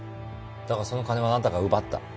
だがその金をあなたが奪った。